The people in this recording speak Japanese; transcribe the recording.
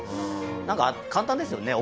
なんか簡単ですよね